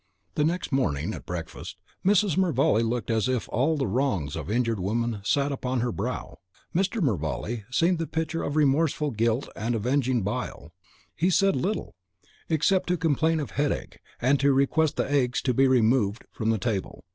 The next morning, at breakfast, Mrs. Mervale looked as if all the wrongs of injured woman sat upon her brow. Mr. Mervale seemed the picture of remorseful guilt and avenging bile. He said little, except to complain of headache, and to request the eggs to be removed from the table.